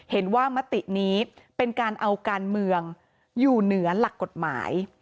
เห็นว่ามตินี้เป็นการเอาการเมืองอยู่เหงือนักกฎหมาย